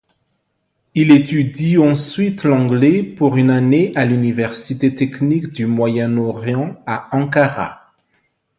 Il étudie ensuite l'anglais pour une année à l'université technique du Moyen-Orient à Ankara.